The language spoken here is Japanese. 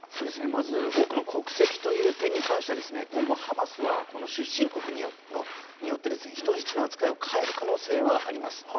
まず多くの国籍という点に関しては今後ハマスは出身国によって人質の扱いを変える可能性はあります。